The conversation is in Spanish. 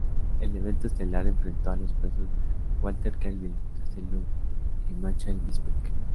El evento estelar enfrentó a los pesos welter Kelvin Gastelum y Michael Bisping.